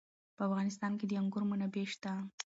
په افغانستان کې د انګور منابع شته.